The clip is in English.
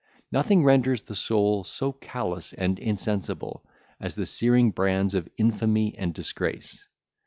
Nothing renders the soul so callous and insensible as the searing brands of infamy and disgrace.